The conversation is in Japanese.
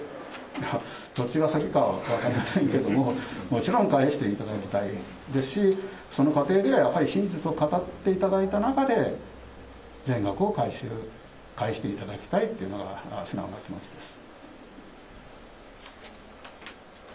いや、どっちが先かは分かりませんけど、もちろん返していただきたいですし、その過程で、やはり真実を語っていただいた中で、全額を回収、返していただきたいというのが素直な気持ちです。